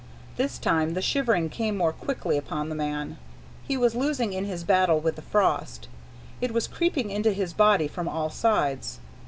This time the shivering came more quickly upon the man. He was losing in his battle with the frost. It was creeping into his body from all sides.